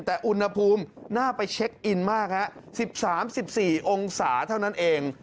แต่อุณหภูมิน่าไปเช็คอินมากฮะ๑๓๑๔องศาเท่านั้นเอง